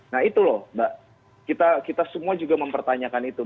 nah itu loh mbak kita semua juga mempertanyakan itu